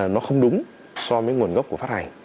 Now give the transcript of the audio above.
nó không đúng so với nguồn gốc của phát hành